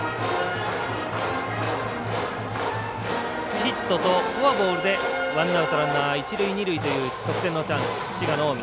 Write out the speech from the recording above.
ヒットとフォアボールでワンアウト、ランナー一塁二塁という得点のチャンス、滋賀の近江。